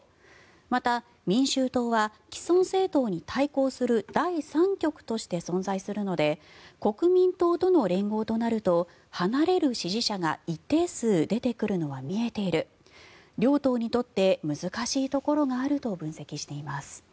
また民衆党は既存政党に対抗する第３極として存在するので国民党との連合となると離れる支持者が一定数出てくるのは見えている両党にとって難しいところがあると分析しています。